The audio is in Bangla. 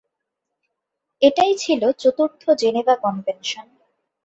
এটাই ছিল চতুর্থ জেনেভা কনভেনশন।